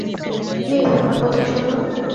Please, আমার কথা শুনুন।